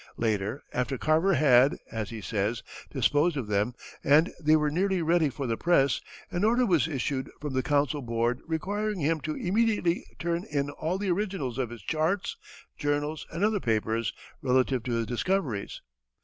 Later, after Carver had, as he says, disposed of them and they were nearly ready for the press, an order was issued from the Council Board requiring him to immediately turn in all the originals of his charts, journals, and other papers relative to his discoveries.